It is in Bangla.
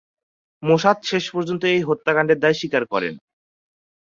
মোসাদ শেষপর্যন্ত এই হত্যাকান্ডের দায় স্বীকার করেন।